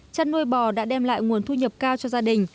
chăn nuôi bò đã đem lại nguồn thu nhập cao cho gia đình